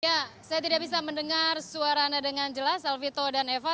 ya saya tidak bisa mendengar suara anda dengan jelas alvito dan eva